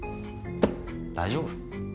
大丈夫。